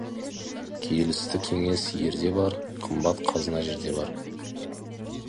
Келісті кеңес ерде бар, қымбат қазына жерде бар.